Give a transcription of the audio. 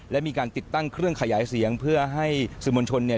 และมีการติดตั้งเครื่องขยายเสียงเพื่อให้สื่อมวลชนเนี่ย